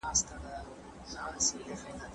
کنفوسیوس په ختیځ کي ژوند کاوه.